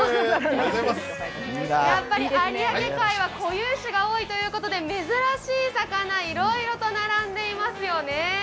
やっぱり有明海は固有種が多いということで珍しい魚、いろいろと並んでいますよね。